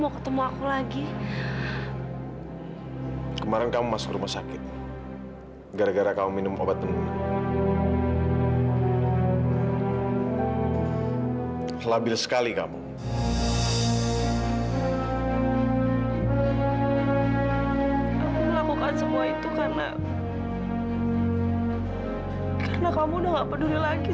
karena kamu udah nggak peduli lagi sama aku